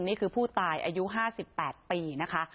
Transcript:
นี่คือผู้ตายอายุ๕๘ปีนะคะ